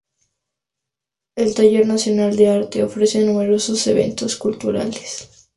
El Taller Internacional de Arte ofrece numerosos eventos culturales.